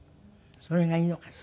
それがいいのかしら。